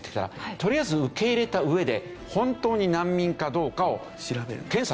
とりあえず受け入れた上で本当に難民かどうかを検査するんです。